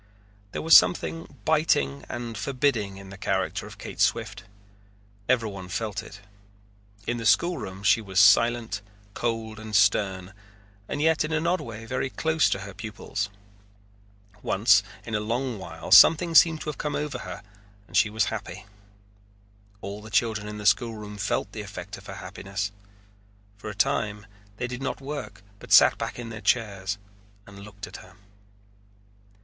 There was something biting and forbidding in the character of Kate Swift. Everyone felt it. In the schoolroom she was silent, cold, and stern, and yet in an odd way very close to her pupils. Once in a long while something seemed to have come over her and she was happy. All of the children in the schoolroom felt the effect of her happiness. For a time they did not work but sat back in their chairs and looked at her.